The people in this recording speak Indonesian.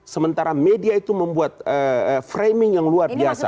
sementara media itu membuat framing yang luar biasa